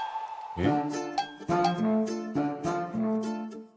えっ！